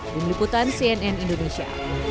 dini liputan cnn indonesia